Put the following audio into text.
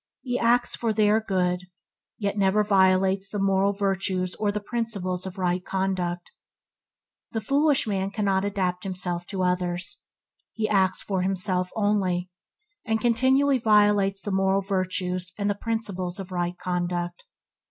He acts for their good, yet never violates the moral virtues or the principles of right conduct. The foolish man cannot adapt himself to others; he acts for himself only, and continually violates the moral virtues and the principles of right conduct.